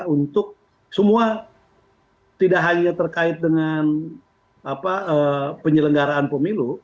untuk semua tidak hanya terkait dengan penyelenggaraan pemilu